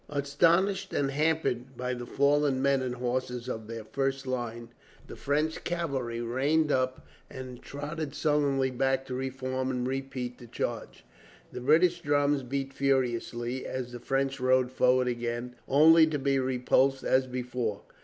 Astonished, and hampered by the fallen men and horses of their first line, the French cavalry reined up and trotted sullenly back to reform and repeat the charge. The British drums beat furiously as the French rode forward again, only to be repulsed as before.